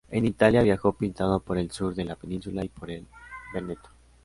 En Italia viajó pintando por el sur de la península y por el Veneto.